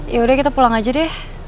yaudah kita pulang aja deh